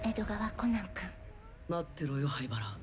コナン：待ってろよ、灰原。